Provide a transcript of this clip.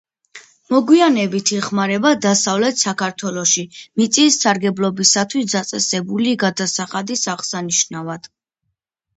მოგვიანებით იხმარება დასავლეთ საქართველოში მიწის სარგებლობისათვის დაწესებული გადასახადის აღსანიშნავად.